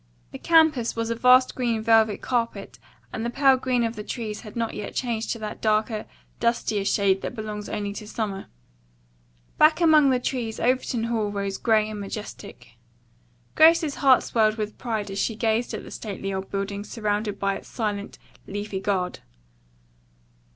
The campus was a vast green velvet carpet and the pale green of the trees had not yet changed to that darker, dustier shade that belongs only to summer. Back among the trees Overton Hall rose gray and majestic. Grace's heart swelled with pride as she gazed at the stately old building surrounded by its silent, leafy guard.